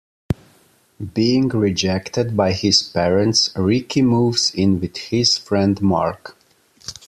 Being rejected by his parents, Ricky moves in with his friend Mark.